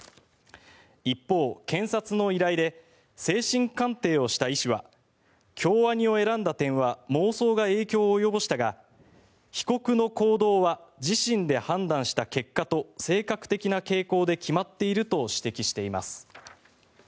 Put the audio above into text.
一方、検察の依頼で精神鑑定をした医師は京アニを選んだ点は妄想が影響を及ぼしたが被告の行動は自身で判断した結果と性格的な傾向で決まっていると指摘しています。